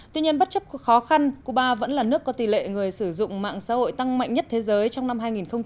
tuy nhiên bất chấp khó khăn cuba vẫn là nước có tỷ lệ người sử dụng mạng xã hội tăng mạnh nhất thế giới trong năm hai nghìn một mươi tám